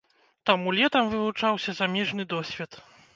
Таму летам вывучаўся замежны досвед.